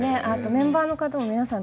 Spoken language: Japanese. メンバーの方も皆さん